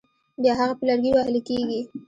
بیا هغه په لرګي وهل کېږي.